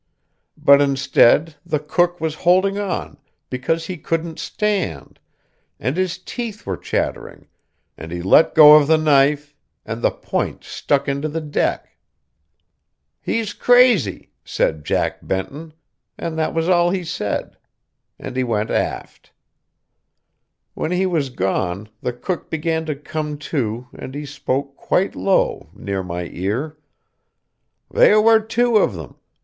But instead, the cook was holding on because he couldn't stand, and his teeth were chattering, and he let go of the knife, and the point stuck into the deck. "He's crazy!" said Jack Benton, and that was all he said; and he went aft. [Illustration: HE LET GO OF THE KNIFE, AND THE POINT STUCK INTO THE DECK.] When he was gone, the cook began to come to, and he spoke quite low, near my ear. "There were two of them!